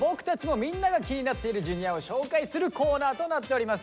みんなが気になっているＪｒ．を紹介するコーナーとなっております。